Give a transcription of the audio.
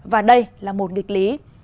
và đây là một nghịch lý